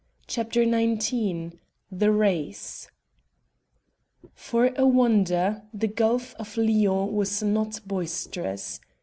CHAPTER XIX THE RACE For a wonder, the Gulf of Lyons was not boisterous.